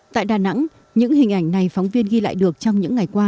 tại đà nẵng những hình ảnh này phóng viên ghi lại được trong những ngày qua